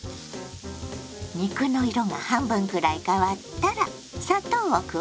肉の色が半分くらい変わったら砂糖を加えます。